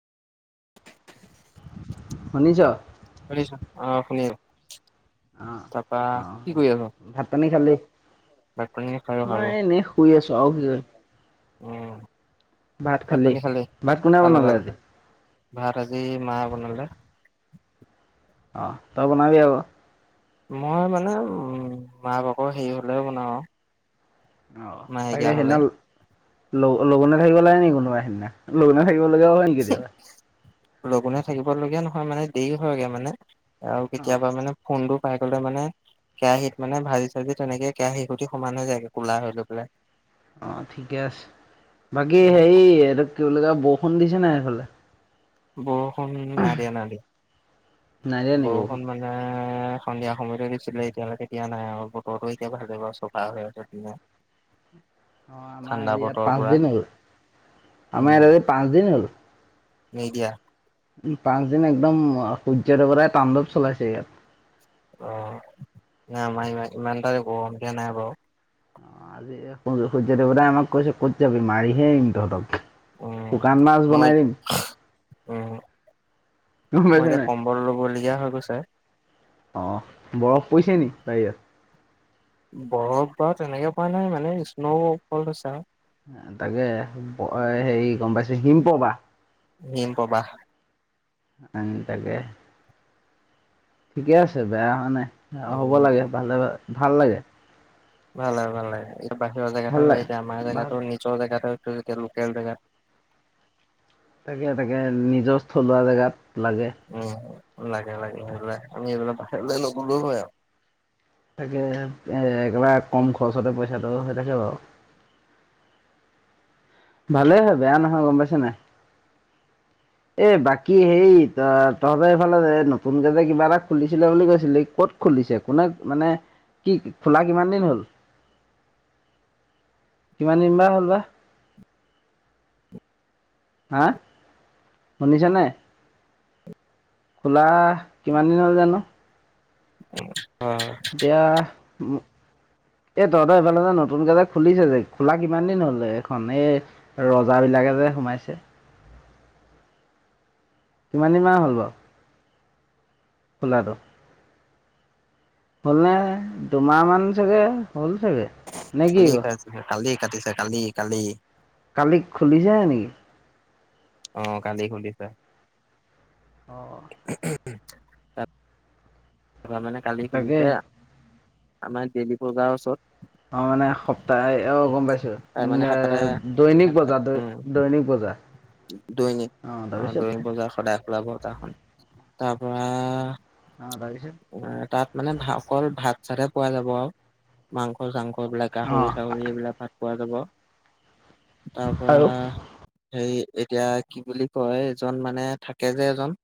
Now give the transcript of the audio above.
[inaudible] শুনিছ। শুনিছো অহ, শুনিছো অঁ তাৰপা অঁ কি কৰি আছ। ভাত পানী খালি ভাত পানী খালো মই খালো এনেই শুই আছো আৰু কি ক [unintelligible] উম, ভাত পানী খালে ভাত কোনে - খালো - বনালে খালো। আজি ভাৰ আজি মা বনালে অ, তাৰ বনাবি আক। মই মানে মাহ ভাকৰ হেৰি হ'লেও বনাও আৰু অ, তাকে মাহেকীয়া হলে সেইদিনা লগোনে থাকিব লাগে নেকি কোনোবা সেইদিনা লগোনে থাকিব। কিয় লগ হয় ন কেতি [unintelligible] লঘোনে থাকিব লগীয়া নহয় মানে দেৰি হয়গে মানে আৰু অঁ কেতিয়াবা মানে ফোনটো খাই গ'লে মানে কেৰাহিতত মানে ভাজি চাজি তেনেকে কেৰাহী সুি সমান হৈ যায়গে ক'লা হৈ লৈ পেলাই অ ঠিকে আছে। বাকী অ হেৰি এইটো কি বুলি কয় বৰষুণ দিছে নাই এইফালে। বৰষুণ নাই দিয়া নাই দিয়া, নাই দিয়া নি বৰষুণ মানে সন্ধিয়া সময়তে দিছিলে এতিয়ালেকে দিয়া নাই আৰু বতৰতো এতিয়া ভাল বাও চফা হৈ আছে। [inaudible] অ' আমাৰ ঠাণ্ডা আজি ইয়াত বতৰ পাঁচ পুৰা দিন হল, আমাৰ ইয়াত আজি পাঁচ দিন হ'ল। মিডিয়া। পাঁচদিন একদম সূৰ্য্য দেৱতাই তাণ্ডৱ চলাইছে ইয়াত। অ', এ আমাৰ ইমান, ইমান এটা গৰম দিয়া নাই বাৰু। আজি সূৰ্য সূৰ্যদেৱতাই আমাক কৈছে ক'ত যাবি, মাৰিহে এৰিম তহঁতক। উম, শুকান মাছ মই, বনাই দিম উম গম মই পাইছ এতিয়া নাই কম্বল লবলগীয়া হৈ গৈছে। অ, বৰফ পৰিছে নি বাহিৰত? বৰফ বা তেনেকে পোৱা নাই মানে স্ন' ফল হৈছে আৰু। তাকে, হেৰি গম পাইছো হিম প্ৰবাহ। হিম প্ৰবাহ। ইনকাগে ঠিকে আছে, বেয়া হোৱা নাই। আও হ'ব উম লাগে ভালে ভাল লাগে। ভাল লাগে, ভাল লাগে। এইটো বাহিৰৰ ভাল জেগাতো হয়, লাগে এতিয়া আমাৰ ভাল জেগাতো নিজৰ জেগাতো [unintelligible] লোকেল জেগাত। তাকে তাকে নিজৰ থলুৱা জেগাত। লাগে উ লাগে লাগে সেইবাক আমি এইবিলাক বাহিৰ নলো হয় আৰু। তাকে, এ একেবাৰে কম খৰচতে পইচাটো হৈ থাকে বাৰু। ভালেই হয়, বেয়া নহয়, গম পাইছা নাই? অ'। এ বাকী হেই ত তহঁতৰ এইফালে নতুনকে যে কিবা এটা খুলিছিলে বুলি কৈছিলি ক'ত খুলিছে কোনে মানে কি খোলা কিমান দিন হ'ল? [inaudible] কিমান দিন বা হ'ল বা? হাঁ, শুনিছা নাই? খোলা কিমান দিন হ'ল জানো? [inaudible] এতিয়া উ [inaudible] এ তহতই এইফালে যে নতুনকে যে খুলিছে যে খোলা কিমান দিন হল এখন এ ৰজা বিলাকে যে সোমাইছে কিমান দিন মান হ'ল বাৰু? খোলাটো হ'লনে, দুমাহ মান চাগে হ'ল চাগে! নে কি কালি কাটিছে, কালি কাটিছে, কালি কালি। কালি খুলিছিলে নেকি? অ', কালি খুলিছে। অঁ [inaudible] তৰা মানে কালি তাকে খুলিছে আমাৰ ডেলি বজাৰৰ ওচৰত। আমাৰ মানে সপ্তাহে, অ, গম পাইছোঁ, তাৰ মানে দৈনিক বজা, উম, দৈনিক বজা [unintelligible] দৈনিক অ, দৈনিক বজাৰ সদায় খোলাবতাখনন তাৰ পৰা অ তাৰপিছত তাত মানে অকল ভাত চাতে পোৱা যাব আৰু মাংস চাংস কবিলাক অ গাহৰি চাহৰি এইবিলাক ভাত পোৱা যাব। তাৰ পৰা আৰু সেই এতিয়া কি বুলি কয় এজন মানে থাকে যে এজন